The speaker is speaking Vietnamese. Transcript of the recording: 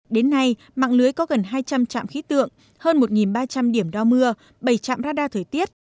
đến nay mạng lưới có gần hai trăm linh trạm khí tượng hơn một ba trăm linh điểm đo mưa bảy trạm radar thời tiết